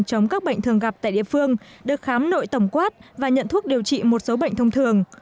chống các bệnh thường gặp tại địa phương được khám nội tổng quát và nhận thuốc điều trị một số bệnh thông thường